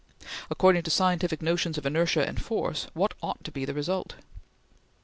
According to scientific notions of inertia and force, what ought to be the result?